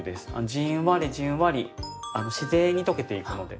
じんわりじんわり自然に溶けていくので。